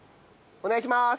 お願いしまーす！